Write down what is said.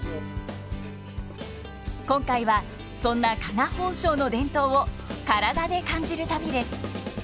今回はそんな加賀宝生の伝統を体で感じる旅です。